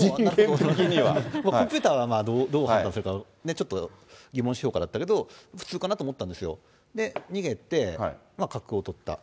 コンピューターがどう判断するかは、ちょっと疑問評価だったけども、普通評価だったんですよ、逃げて、角を取った。